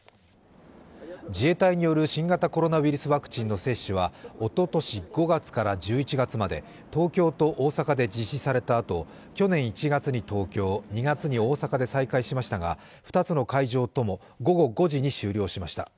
自衛隊による新型コロナウイルスワクチンの接種はおととし５月から１１月まで、東京と大阪で実施されたあと、去年１月に東京、２月に大阪で再開しましたが、２つの会場とも午後５時に終了しました。